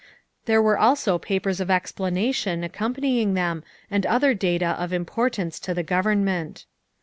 There were also papers of explanation accom panying them and other data of importance to the Gov ernment.